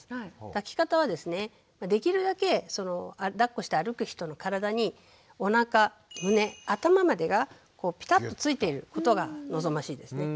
抱き方はですねできるだけだっこして歩く人の体におなか胸頭までがぴたっとついていることが望ましいですね。